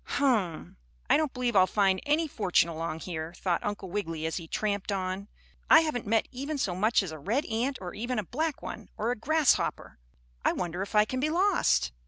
"Hum, I don't believe I'll find any fortune along here," thought Uncle Wiggily as he tramped on. "I haven't met even so much as a red ant, or even a black one, or a grasshopper. I wonder if I can be lost?"